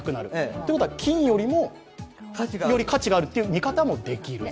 ということは、金よりもより価値があるという見方もできる。